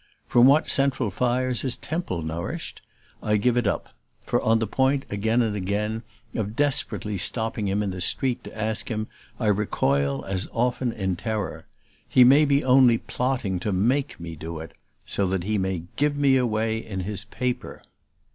From what central fires is Temple nourished? I give it up; for, on the point, again and again, of desperately stopping him in the street to ask him, I recoil as often in terror. He may be only plotting to MAKE me do it so that he may give me away in his paper!